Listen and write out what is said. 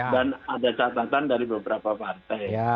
dan ada catatan dari beberapa partai